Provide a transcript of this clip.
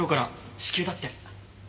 至急だって。